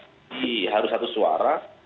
tapi harus satu suara